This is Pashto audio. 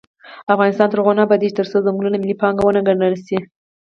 افغانستان تر هغو نه ابادیږي، ترڅو ځنګلونه ملي پانګه ونه ګڼل شي.